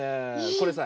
これさ